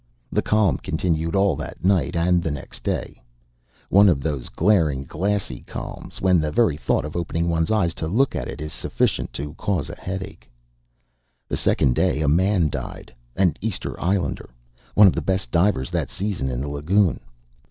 The calm continued all that night and the next day one of those glaring, glassy, calms, when the very thought of opening one's eyes to look at it is sufficient to cause a headache. The second day a man died an Easter Islander, one of the best divers that season in the lagoon.